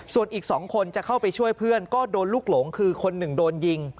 ส่วนอีก๒คนจะเข้าไปช่วยเพื่อนก็โดนลูกหลงคือคนหนึ่งโดนยิง